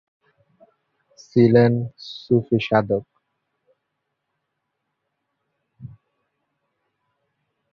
ছিলেন সুফি সাধক।